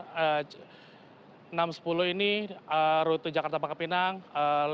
yang terkenal di jatuh ini adalah pesawat lion air enam ratus sepuluh